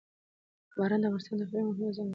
باران د افغانستان د اقلیم یوه مهمه ځانګړتیا ده.